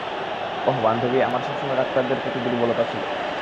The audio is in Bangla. ওহ, বান্ধবী, আমার সবসময় ডাক্তারদের প্রতি দূর্বলতা ছিল।